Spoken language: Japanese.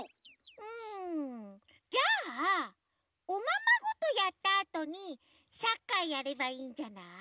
うんじゃあおままごとやったあとにサッカーやればいいんじゃない？